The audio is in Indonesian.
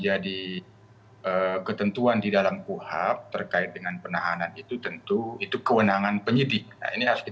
atau diskresi polri